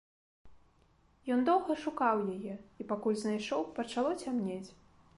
Ён доўга шукаў яе, і пакуль знайшоў, пачало цямнець.